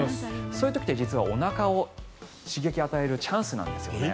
そういう時っておなかに刺激を与えるチャンスなんですね。